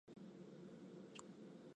マジでこの人、悪意なくやってるのか